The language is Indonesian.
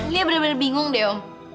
dia benar benar bingung deh om